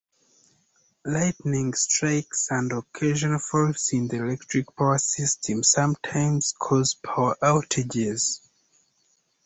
Lightning strikes and occasional faults in the electric power system sometimes cause power outages.